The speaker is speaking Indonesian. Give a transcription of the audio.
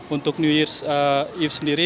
untuk new year's eve sendiri